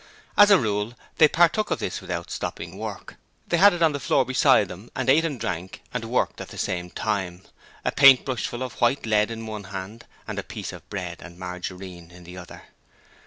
As a rule, they partook of this without stopping work: they had it on the floor beside them and ate and drank and worked at the same time a paint brushful of white lead in one hand, and a piece of bread and margarine in the other.